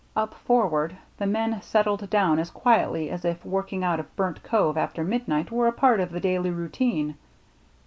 Up forward the men settled down as quietly as if working out of Burnt Cove after midnight were a part of the daily routine.